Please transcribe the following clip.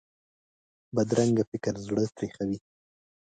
بدرنګه فکر زړه تریخوي